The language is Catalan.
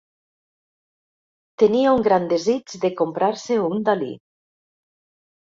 Tenia un gran desig de comprar-se un Dalí.